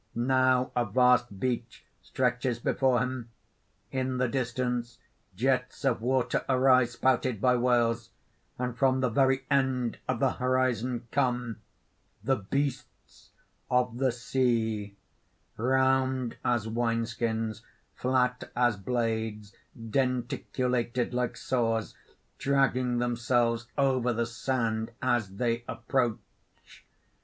Now a vast beach stretches before him._ In the distance jets of water arise, spouted by whales; and from the very end of the horizon come) THE BEASTS OF THE SEA (round as wineskins, flat as blades, denticulated like saws, dragging themselves over the sand as they approach): [Illustration: The beasts of the sea round as wineskins ...